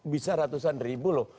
bisa ratusan ribu loh